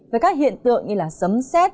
về các hiện tượng như là sấm xét